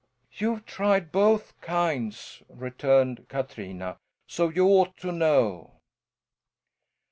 "You've tried both kinds," returned Katrina, "so you ought to know."